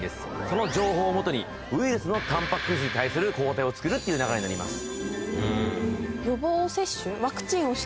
その情報をもとにウイルスのタンパク質に対する抗体を作るっていう流れになります。